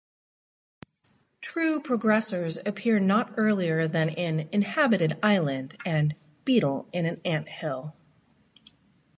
True progressors appear not earlier than in "Inhabited Island" and "Beetle in an Anthill".